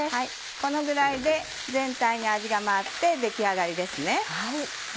このぐらいで全体に味が回って出来上がりですね。